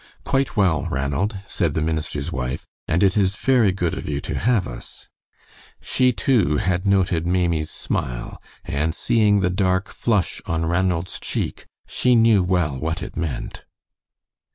"Quite well, Ranald," said the minister's wife; "and it is very good of you to have us." She, too, had noted Maimie's smile, and seeing the dark flush on Ranald's cheek, she knew well what it meant.